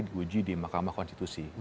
di uji di mahkamah konstitusi